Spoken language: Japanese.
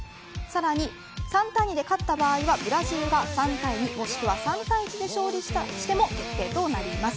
さらに３対２で勝った場合はブラジルが３対２もしくは３対１で勝利しても負けとなります。